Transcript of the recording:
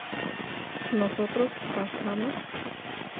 ¿nosotros partamos?